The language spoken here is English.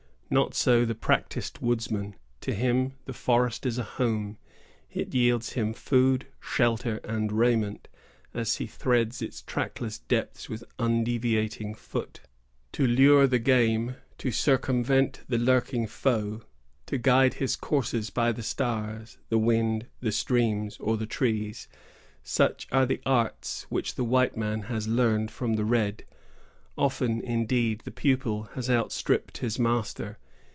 Not so the practised woodsman. To him, the forest is a home. It yields him food, shelter, and raiment, and he threads its trackless depths with undeviating foot. To lure the game, to circumvent the lurking foe, to guide his course by the stars, the wind, the streams, or the trees,——such are the arts which the white man has learned from the red. Often, indeed, the pupil has outstripped his master.